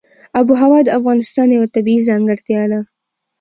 آب وهوا د افغانستان یوه طبیعي ځانګړتیا ده.